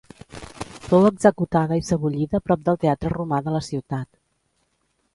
Fou executada i sebollida prop del teatre romà de la ciutat.